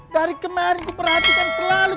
dari kemarin gue perhatikan selalu